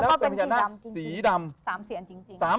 แล้วเป็นพญานาคสีดำ